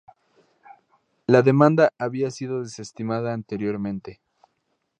La demanda había sido desestimada anteriormente.